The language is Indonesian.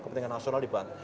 kepentingan nasional dibuat